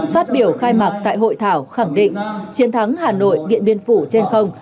phát biểu khai mạc tại hội thảo khẳng định chiến thắng hà nội điện biên phủ trên không